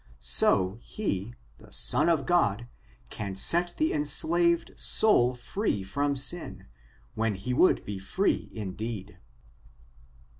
So^ he, the Son of God, can set the enslaved soul free from sin, when he would be free indeed.